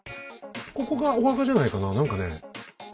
ここがお墓じゃないかな何かね。